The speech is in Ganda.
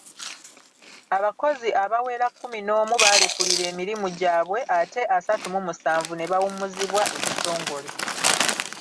Abakozi abawera kkuminoomu baalekulira emirimu gyabwe ate asatu mu musanvu ne bawummuzibwa ekitongole.